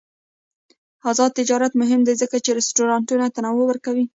آزاد تجارت مهم دی ځکه چې رستورانټونه تنوع ورکوي.